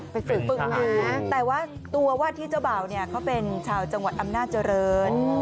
ฝึกนะแต่ว่าตัววาดที่เจ้าบ่าวเนี่ยเขาเป็นชาวจังหวัดอำนาจริง